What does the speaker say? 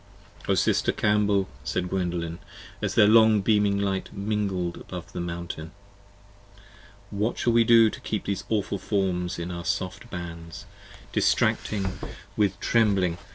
O sister Cambel, said Gwendolen, as their long beaming light Mingled above the Mountain, what shall we do to keep 85 These awful forms in our soft bands: distracted with trembling 99 p.